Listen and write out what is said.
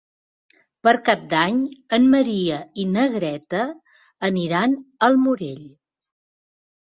Per Cap d'Any en Maria i na Greta aniran al Morell.